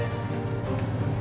tau gak namanya siapa